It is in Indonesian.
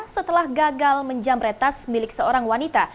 setelah gagal menjamretas milik seorang wanita